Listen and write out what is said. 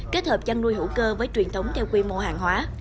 kết hợp chăn nuôi hữu cơ với truyền thống theo quy mô hàng hóa